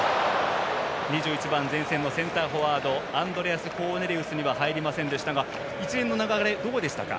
２１番、前線のセンターフォワードアンドレアス・コーネリウスには入りませんでしたが一連の流れどうでしたか？